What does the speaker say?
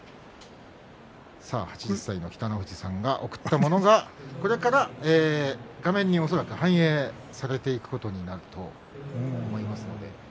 さあ、８０歳の北の富士さんが送ったものがこれから画面に恐らく反映されていくことになると思います。